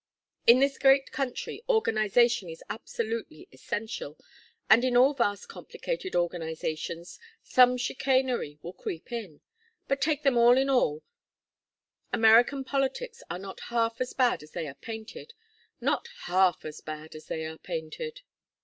In this great country organization is absolutely essential, and in all vast complicated organizations some chicanery will creep in. But take them all in all, American politics are not half as bad as they are painted, not half as bad as they are painted."